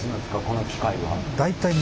この機械は。